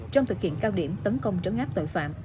trong thực hiện cao điểm tấn công chấn ngắp tội phạm